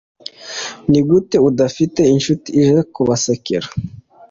nigute, udafite inshuti ije kubasekera